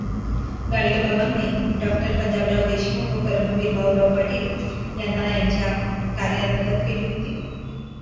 गाडगेबाबांनी डॉ. पंजाबराव देशमुख, व कर्मवीर भाऊराव पाटील यांना त्यांच्या कार्यात मदत केली होती.